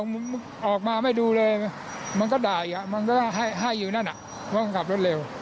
เราก็บอกออกมาไม่ดูเลยมันก็ด่ายมันก็ไห้อยู่นั่นเพราะมันขับรถเร็ว